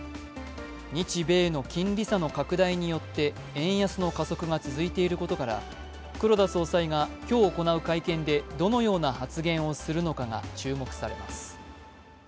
日米の金利差の拡大によって円安の加速が続いていることから黒田総裁が今日行う会見でどのような発言をするのかが注目されます。